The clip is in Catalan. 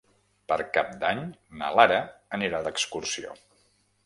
Per Cap d'Any na Lara anirà d'excursió.